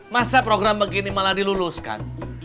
masa program begini malah diluluskan